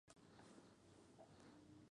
Los trabajos duraron varios años.